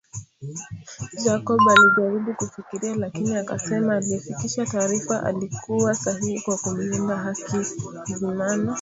Jacob alijaribu kufikiria lakini akasema aliyefikisha taarifa alikuwa sahihi kwa kumlinda Hakizimana